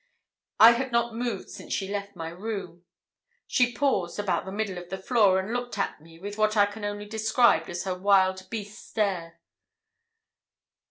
I had not moved since she left my room. She paused about the middle of the floor, and looked at me with what I can only describe as her wild beast stare.